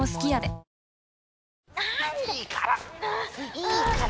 いいから！